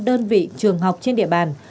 đơn vị trường học trên địa bàn